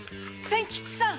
仙吉さん！